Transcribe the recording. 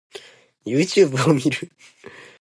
Youtube を見る